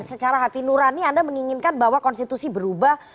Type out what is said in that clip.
secara hati nurani anda menginginkan bahwa konstitusi berubah